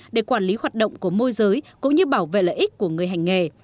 để quản lý hoạt động của môi giới cũng như bảo vệ lợi ích của người hành nghề